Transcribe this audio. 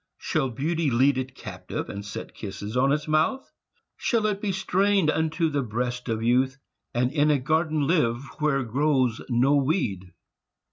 Shall beauty lead It captive, and set kisses on its mouth? Shall it be strained unto the breast of youth, And in a garden live where grows no weed?